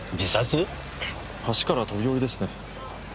橋から飛び降りですね。